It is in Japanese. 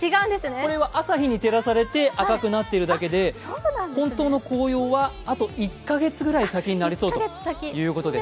これは朝日に照らされて赤くなっているだけで本当の紅葉は、あと１か月くらい先になりそうということです。